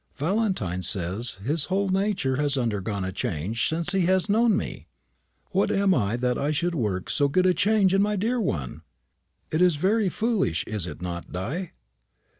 Valentine says his whole nature has undergone a change since he has known me. What am I that I should work so good a change in my dear one? It is very foolish, is it not, Di?"